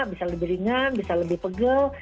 bisa lebih ringan bisa lebih pegel